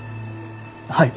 はい！